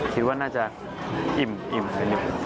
คิดว่าน่าจะอิ่มนิดนึง